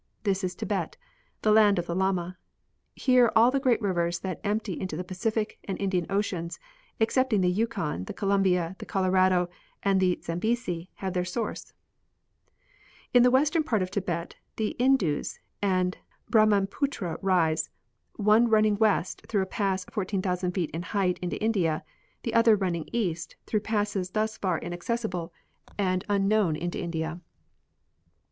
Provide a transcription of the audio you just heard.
This is Tibet, the land of the Llama. Here all the great rivers that empty into the Pacific and Indian oceans, ex cepting the Yukon, the Columbia, the Colorado, and the Zam besi, have their source. In the western part of Tibet the Indus and Brahmaputra rise, one running west through a i^ass 14,000 feet in height into India ; the other running east, through passes thus far inacces The populous Land of the Orient. 123 sible and unknown into India.